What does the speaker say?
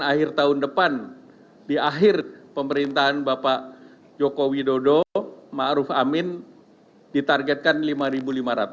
akhir tahun depan di akhir pemerintahan bapak joko widodo ⁇ maruf ⁇ amin ditargetkan rp lima lima ratus